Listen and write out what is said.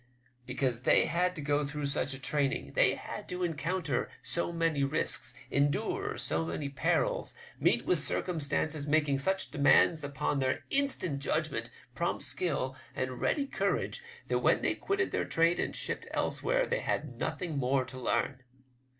Because they had to go through such a training, they had to encounter so many risks, endure so many perils, meet with circumstances making such demands upon their instant judgment, prompt skill, and ready courage, that when they quitted their trade and shipped elsewhere they had nothing more to learn.